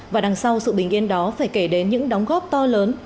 và đằng sau sự bình yên đó phải kể đến những đóng góp to lớn